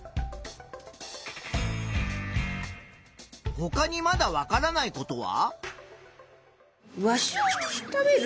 ほかにまだわからないことは？